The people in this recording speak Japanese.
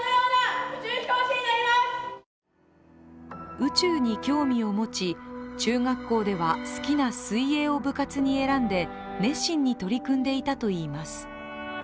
宇宙に興味を持ち、中学校では好きな水泳を部活に選んで熱心に取り組んでいたといいます。